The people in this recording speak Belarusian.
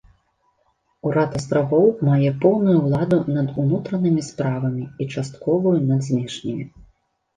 Урад астравоў мае поўную ўладу над унутранымі справамі і частковую над знешнімі.